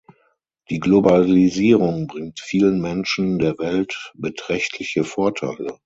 Die Globalisierung bringt vielen Menschen der Welt beträchtliche Vorteile.